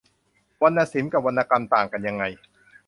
วรรณศิลป์กับวรรณกรรมต่างกันยังไง